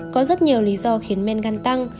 có rất nhiều lý do khiến men gan tăng